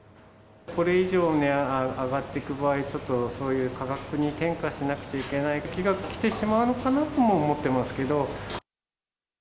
これ以上値が上がっていく場合、ちょっとそういう価格に転嫁しなくちゃいけないときが来てしまうのかなとも思ってますけど。